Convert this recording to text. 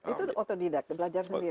itu otodidak belajar sendiri